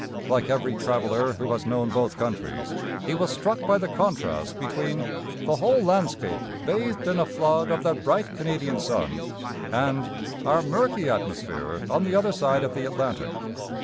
Like every traveller who has known both countries, he was struck by the contrast between 'the whole landscape bathed in a flood of that bright Canadian sun' and 'our murky atmosphere on the other side of the Atlantic.'